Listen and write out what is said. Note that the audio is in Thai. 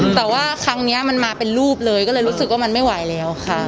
แต่ว่าครั้งนี้มันมาเป็นรูปเลยก็เลยรู้สึกว่ามันไม่ไหวแล้วค่ะ